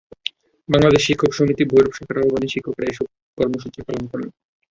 বাংলাদেশ শিক্ষক সমিতি ভৈরব শাখার আহ্বানে শিক্ষকেরা এসব কর্মসূচি পালন করেন।